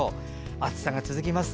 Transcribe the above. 暑さが続きます。